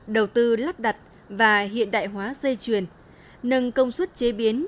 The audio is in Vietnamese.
đầu tư lắp đặt và hiện đại hóa dây chuyền nâng công suất chế biến